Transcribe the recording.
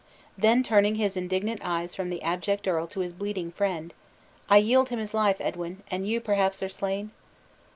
Then turning his indignant eyes from the abject earl to his bleeding friend "I yield him his life, Edwin, and you, perhaps, are slain?"